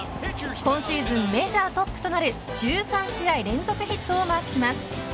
今シーズンメジャートップとなる１３試合連続ヒットをマークします。